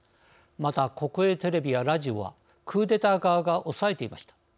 また、国営テレビやラジオはクーデター側がおさえていました。